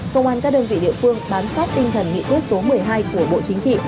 công an các đơn vị địa phương bám sát tinh thần nghị quyết số một mươi hai của bộ chính trị